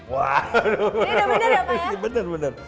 wah ini udah bener ya pak ya